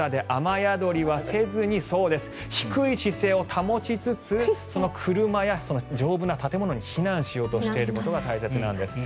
木の下で雨宿りはせずにそうです、低い姿勢を保ちつつ車や丈夫な建物に避難しようとすることが大切なんです。